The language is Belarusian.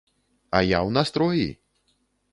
А я ў настроі!